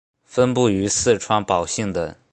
分布于四川宝兴等。